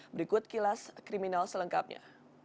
berikut kilas kriminal selengkapnya